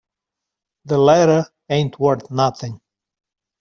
The letter ain't worth nothing.